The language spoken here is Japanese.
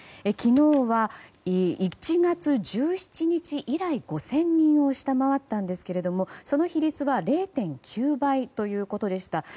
昨日は１月１７日以来５０００人を下回ったんですがその比率は０．９倍ということでした。